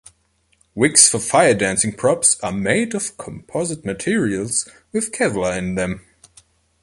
Wicks for fire dancing props are made of composite materials with Kevlar in them.